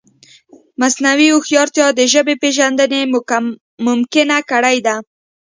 مصنوعي هوښیارتیا د ژبې پېژندنه ممکنه کړې ده.